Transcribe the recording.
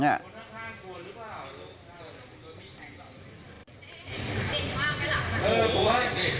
เฮ้ใครกลัวหรือเปล่าค่ะ